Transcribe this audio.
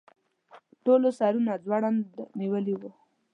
ټولو سرونه ځوړند نیولي وو.